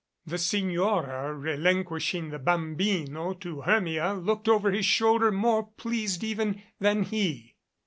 The Signora, relinquishing the bambino to Her mia, looked over his shoulder, more pleased, even, than he.